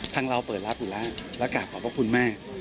ทั้งเราเปิดรับอยู่แล้วและกล่าวขอบพระคุณแม่